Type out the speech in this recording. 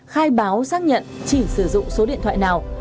khai báo xác nhận chỉ sử dụng số điện thoại nào